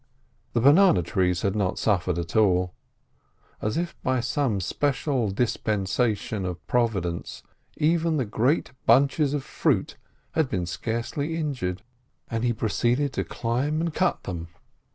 The banana trees had not suffered at all; as if by some special dispensation of Providence even the great bunches of fruit had been scarcely injured, and he proceeded to climb and cut them.